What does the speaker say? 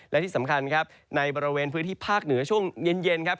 และที่สำคัญครับในบริเวณพื้นที่ภาคเหนือช่วงเย็นครับ